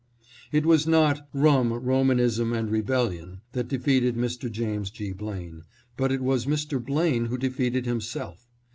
It was not " Rum, Romanism, and Rebellion " that defeated Mr. James G. Blaine, but it was Mr. Blaine who defeated himself.